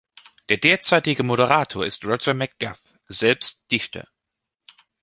Der derzeitige Moderator ist Roger McGough, selbst Dichter.